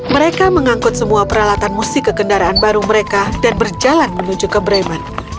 mereka mengangkut semua peralatan musik ke kendaraan baru mereka dan berjalan menuju ke bremen